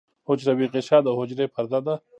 حجروی غشا د حجرې پرده ده